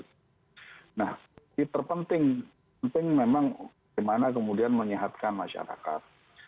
jadi terpenting memang bagaimana kemudian menyehatkan masyarakat